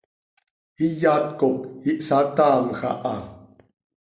iyat cop ihsataamj aha.